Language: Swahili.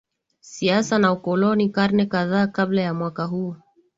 Siasa na Ukoloni Karne kadhaa kabla ya mwaka huu